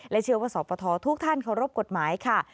เชื่อว่าสปททุกท่านเคารพกฎหมายค่ะ